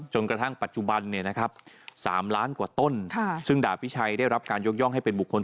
จนกระทั่งปัจจุบันเนี่ยนะครับ๓ล้านกว่าต้น